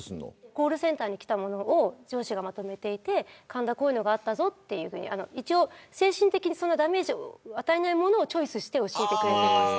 コールセンターにきたものを上司がまとめていて神田、こういうのがあったぞと一応、精神的にダメージを与えないものをチョイスして教えてくれていました。